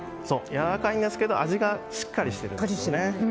やわらかいんですけど味がしっかりしてるんですよね。